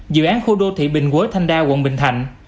dự án khu đô thị bình quế thanh đa quận bình thạnh